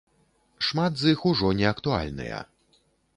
Шмат з іх ужо неактуальныя.